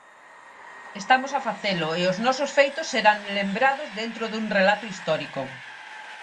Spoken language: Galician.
Estamos a facelo e os nosos feitos serán lembrados dentro dun relato histórico.